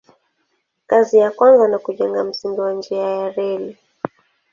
Kazi ya kwanza ni kujenga msingi wa njia ya reli.